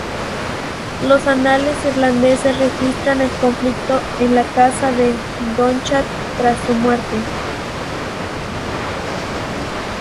Los anales irlandeses registran el conflicto en la casa de Donnchad tras su muerte.